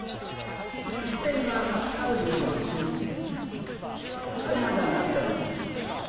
線があるでしょう、ここまで上がったの。